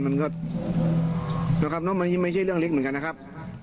มันก็ไม่ใช่เรื่องเล็กเหมือนกันนะครับ